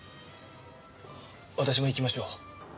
私も行きましょう。